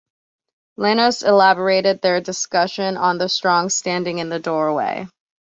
Lanois elaborated their discussion on the song "Standing In The Doorway".